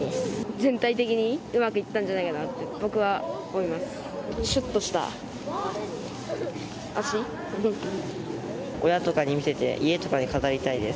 全体的にうまくいったんじゃないかなって僕は思います。